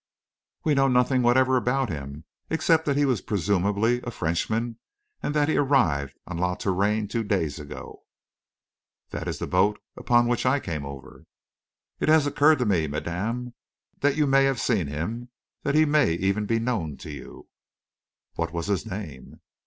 "We know nothing whatever about him, except that he was presumably a Frenchman, and that he arrived on La Touraine, two days ago." "That is the boat upon which I came over." "It has occurred to me, madame, that you may have seen him that he may even be known to you." "What was his name?"